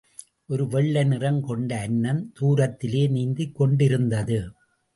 ஒரு வெள்ளை நிறம் கொண்ட அன்னம் தூரத்திலே நீந்திக் கொண்டிருந்தது.